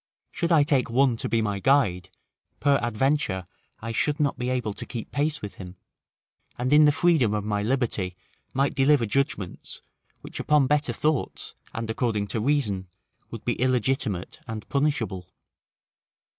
Should I take one to be my guide, peradventure I should not be able to keep pace with him; and in the freedom of my liberty might deliver judgments, which upon better thoughts, and according to reason, would be illegitimate and punishable.